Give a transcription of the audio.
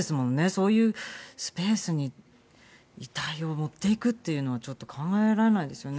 そういうスペースに遺体を持っていくっていうのはちょっと、考えられないですよね。